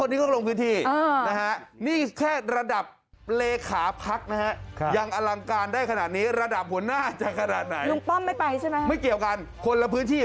แต่นี่คนนี้เขาลงพื้นที่